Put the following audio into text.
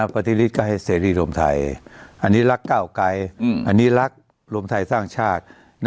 ปฏิฤทธิก็ให้เสรีรวมไทยอันนี้รักก้าวไกรอันนี้รักรวมไทยสร้างชาติ